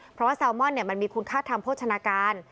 เพราะว่าแซลมอนมันมีคุณค่าทางโภชนาการ